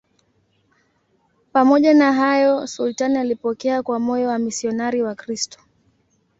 Pamoja na hayo, sultani alipokea kwa moyo wamisionari Wakristo.